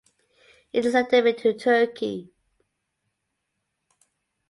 It is endemic to Turkey.